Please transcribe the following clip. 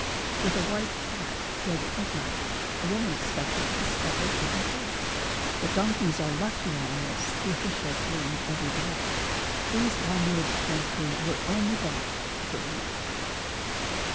With a white cat, killed at midnight, a woman expected to discover hidden treasure. That — donkeys are "lucky" animals the officials learned everyday ; these long eared gentry were only bought to bring luck.